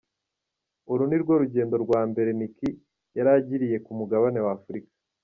Uru ni rwo rugendo rwa mbere Nikki yari agiriye ku mugabane wa Afurika.